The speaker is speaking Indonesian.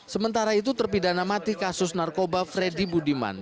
sementara itu terpidana mati kasus narkoba freddy budiman